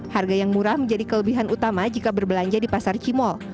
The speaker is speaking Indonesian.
harga yang murah menjadi kelebihan utama jika berbelanja di pasar cimol